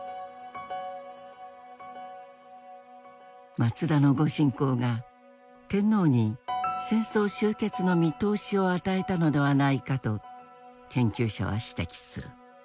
松田の御進講が天皇に戦争終結の見通しを与えたのではないかと研究者は指摘する。